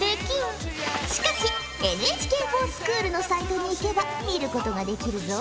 しかしＮＨＫｆｏｒＳｃｈｏｏｌのサイトに行けば見ることができるぞ！